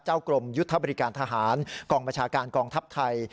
กรมยุทธบริการทหารกองบัญชาการกองทัพไทย